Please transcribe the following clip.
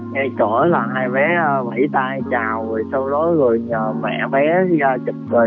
ngay cỡ là hai bé bẫy tay chào rồi sau đó rồi nhờ mẹ bé ra chụp rồi